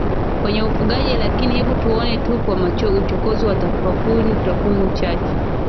kwenye ufugaji Lakini hebu tuone tu kwa uchokozi wa tafakuri takwimu chache